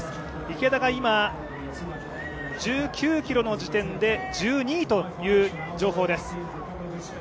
池田が今、１９ｋｍの時点で１２位という情報です。